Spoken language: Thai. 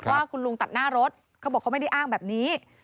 ว่าคุณลุงตัดหน้ารถเขาบอกเขาไม่ได้อ้างแบบนี้